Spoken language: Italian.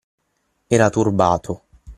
Era turbato.